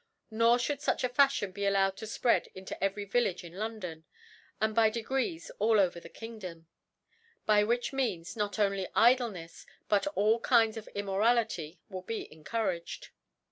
Nor Ihould fuch a Fafliion be allowed to fpread into every Village round London^ aadj)y Itegrces all over the Kingdom ; by which means, not only Idlenefs, but all Kinds of Immorality, will be ^hcouraged.